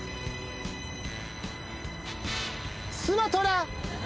スマトラ。